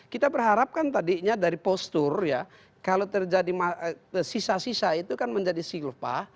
kita berharap kan tadinya dari postur ya kalau terjadi sisa sisa itu kan menjadi silpa